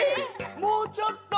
もうちょっと！